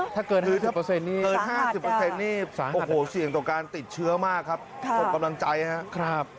ถ้าเกิน๕๐นี่โอ้โหเสียงตกการติดเชื้อมากครับขอบกำลังใจครับสาหัส